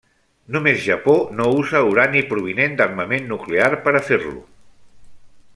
Només Japó no usa urani provinent d'armament nuclear per a fer-lo.